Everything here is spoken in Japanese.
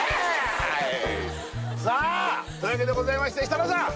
さあというわけでございまして設楽さん